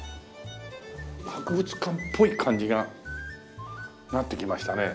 博物館っぽい感じがなってきましたね。